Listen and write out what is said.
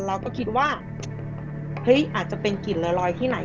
เราก็คิดว่าเฮ้ยอาจจะเป็นกลิ่นลอยที่ไหน